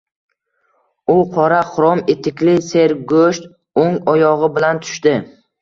U qora xrom etikli sergo‘sht o‘ng oyog‘i bilan tushdi.